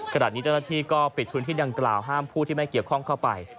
ขณะนี้เจ้าหน้าที่ก็ปิดพื้นที่ดังกล่าวห้ามผู้ที่ไม่เกี่ยวข้องเข้าไป